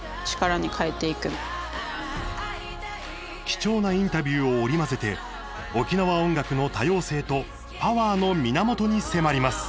貴重なインタビューを織り交ぜて沖縄音楽の多様性とパワーの源に迫ります。